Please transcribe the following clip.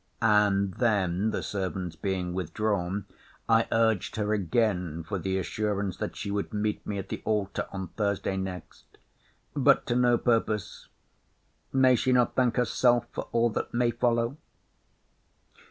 And then (the servants being withdrawn) I urged her again for the assurance, that she would meet me at the altar on Thursday next. But to no purpose.—May she not thank herself for all that may follow?